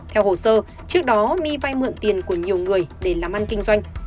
theo hồ sơ trước đó my vay mượn tiền của nhiều người để làm ăn kinh doanh